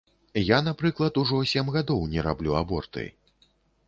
Я, напрыклад, ужо сем гадоў не раблю аборты.